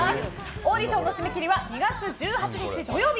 オーディションの締め切りは２月１８日、土曜日。